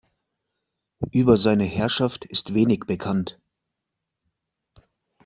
Über seine Herrschaft ist wenig bekannt.